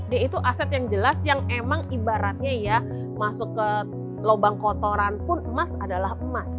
dia itu aset yang jelas yang emang ibaratnya ya masuk ke lubang kotoran pun emas adalah emas